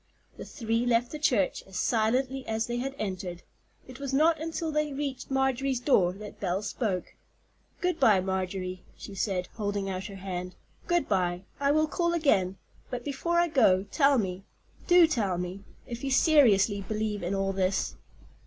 The three left the church as silently as they had entered. It was not until they reached Marjorie's door that Belle spoke. "Good by, Marjorie," she said, holding out her hand; "good by. I will call again. But before I go, tell me—do tell me—if you seriously believe in all this?"